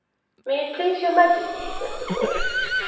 " May it please your IMajest} ," said the boy.